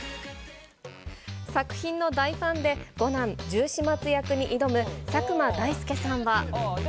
作品の大ファンで、５男、十四松役に挑む、佐久間大介さんは。